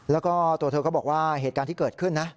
แล้วก็ตัวเธอก็บอกว่าเหตุการณ์ที่เกิดขึ้นนะ